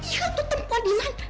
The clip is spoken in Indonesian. iya tuh tempat dimana